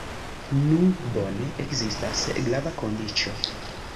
Nu, bone, ekzistas grava kondiĉo.